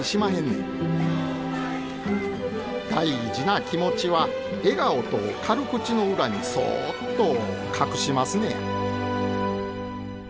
大事な気持ちは笑顔と軽口の裏にそっと隠しますのや。